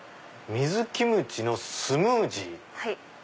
水キムチのスムージー？